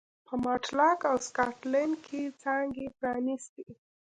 په ماټلاک او سکاټلنډ کې څانګې پرانېستې.